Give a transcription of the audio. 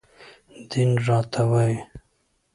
دين راته وايي